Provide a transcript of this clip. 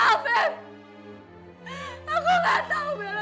aku gak tau bella dimana